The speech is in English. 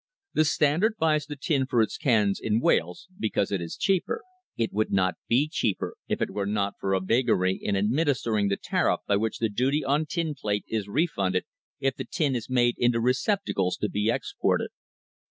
The Standard buys the tin for its cans in Wales, because it is cheaper. It would not be cheaper if it were not for a vagary in administering the tariff by which the duty on tin plate is refunded if the tin is made into receptacles to be ex ported.